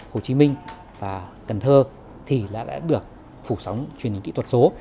hồ chí minh và cần thơ thì đã được phủ sóng truyền hình kỹ thuật số